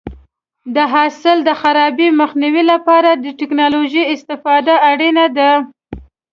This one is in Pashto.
د حاصل د خرابي مخنیوي لپاره د ټکنالوژۍ استفاده اړینه ده.